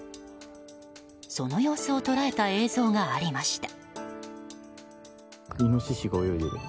その様子を捉えた映像がありました。